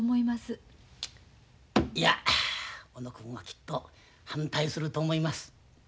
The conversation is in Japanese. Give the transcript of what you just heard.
いや小野君はきっと反対すると思います。